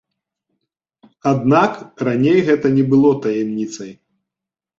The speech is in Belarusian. Аднак раней гэта не было таямніцай.